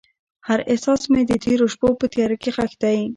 هر احساس مې د تیرو شپو په تیاره کې ښخ دی.